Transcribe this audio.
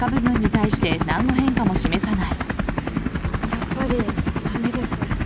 やっぱり駄目です。